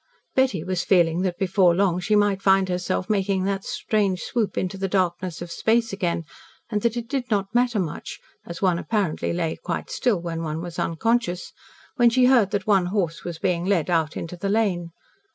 Betty was feeling that before long she might find herself making that strange swoop into the darkness of space again, and that it did not matter much, as one apparently lay quite still when one was unconscious when she heard that one horse was being led out into the lane.